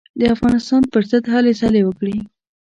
د افغانستان پر ضد هلې ځلې وکړې.